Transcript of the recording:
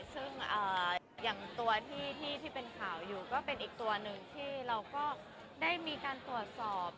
ซึ่งอย่างตัวที่เป็นข่าวอยู่ก็เป็นอีกตัวหนึ่งที่เราก็ได้มีการตรวจสอบ